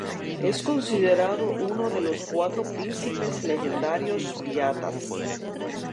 Es considerado uno de los cuatro príncipes legendarios Piastas.